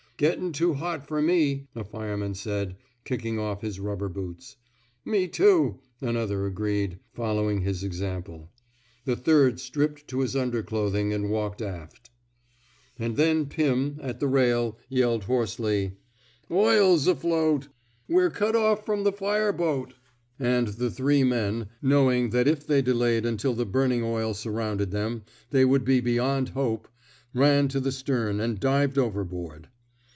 Gettin* too hot fer me/' a fireman said, kicking off his rubber boots. Me, too,*' another agreed, following his example. The third stripped to his underclothing and walked aft. 49 f THE SMOKE EATEES And then Pirn, at the rail, yelled hoarsely :Oil's afloat! We're cut off from the fire boat! '' And the three men — knowing that if they delayed until the burning oil sur rounded them, they would be beyond hope — ran to the stern and dived overboard.